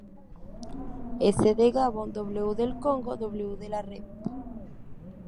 S. de Gabón, W. del Congo, W. de la Rep.